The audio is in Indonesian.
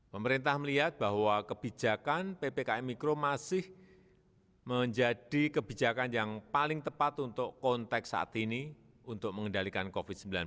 pemerintah melihat bahwa kebijakan ppkm mikro masih menjadi kebijakan yang paling tepat untuk konteks saat ini untuk mengendalikan covid sembilan belas